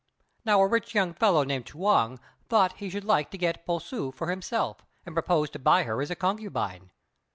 Now a rich young fellow named Chuang thought he should like to get Po ssŭ for himself, and proposed to buy her as a concubine.